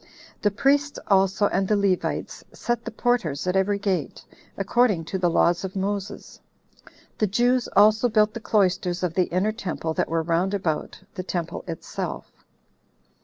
The priests also and the Levites set the porters at every gate, according to the laws of Moses. The Jews also built the cloisters of the inner temple that were round about the temple itself.